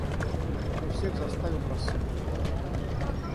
Мы всех заставим рассыпать порох.